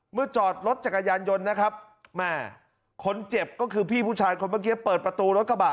จอดรถจักรยานยนต์นะครับแม่คนเจ็บก็คือพี่ผู้ชายคนเมื่อกี้เปิดประตูรถกระบะ